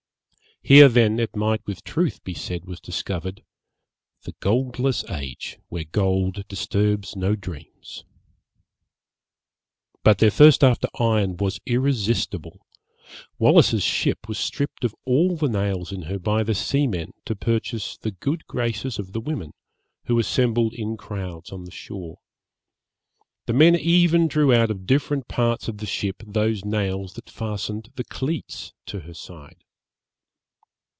Here then it might with truth be said was discovered The goldless age, where gold disturbs no dreams. But their thirst after iron was irresistible; Wallis's ship was stripped of all the nails in her by the seamen to purchase the good graces of the women, who assembled in crowds on the shore. The men even drew out of different parts of the ship those nails that fastened the cleats to her side.